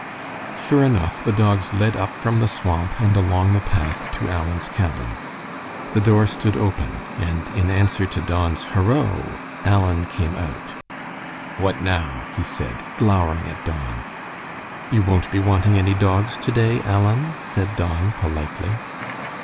Sure enough, the dogs led up from the swamp and along the path to Alan's cabin. The door stood open, and in answer to Don's "Horo!" Alan came out. "What now?" he said, glowering at Don. "You won't be wanting any dogs to day, Alan?" said Don, politely.